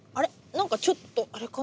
何かちょっとあれかな？